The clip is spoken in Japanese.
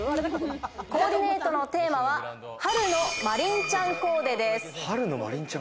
コーディネートのテーマは「春のマリンちゃんコーデ」です。